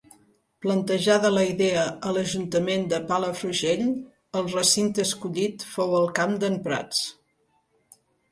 Plantejada la idea a l’ajuntament de Palafrugell el recinte escollit fou el Camp d’en Prats.